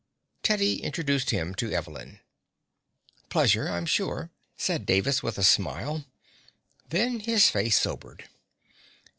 Teddy introduced him to Evelyn. "Pleasure, I'm sure," said Davis with a smile. Then his face sobered.